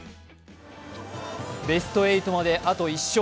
ベスト８まであと１勝。